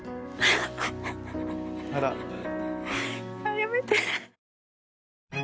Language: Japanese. やめて。